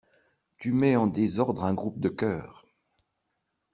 Tu mets en désordre un groupe de cœurs.